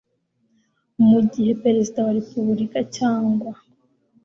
Mu gihe Perezida wa Repububulika cyangwa